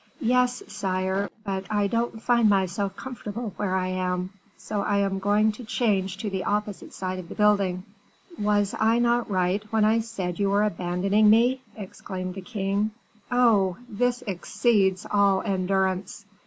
"Yes, sire. But I don't find myself comfortable where I am, so I am going to change to the opposite side of the building." "Was I not right when I said you were abandoning me?" exclaimed the king. "Oh! this exceeds all endurance.